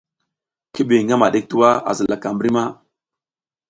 Ki ɓi ngama ɗik tuwa a zilaka mbri ma ?